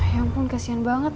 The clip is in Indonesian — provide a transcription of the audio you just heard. ya ampun kesian banget